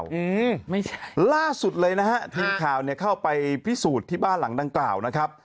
อืมไม่ใช่ล่าสุดเลยนะฮะทีมข่าวเนี่ยเข้าไปพิสูจน์ที่บ้านหลังดังกล่าวนะครับ